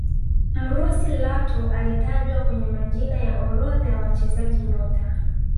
mrusi lato alitajwa kwenye majina ya orodha ya wachezaji nyota